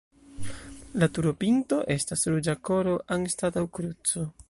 La turopinto estas ruĝa koro anstataŭ kruco.